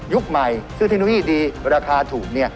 ใหม่ซื้อเทคโนโลยีดีราคาถูก